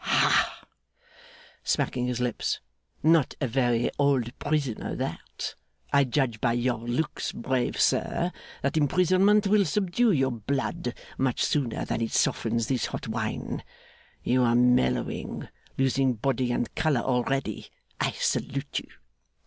'Hah!' smacking his lips. 'Not a very old prisoner that! I judge by your looks, brave sir, that imprisonment will subdue your blood much sooner than it softens this hot wine. You are mellowing losing body and colour already. I salute you!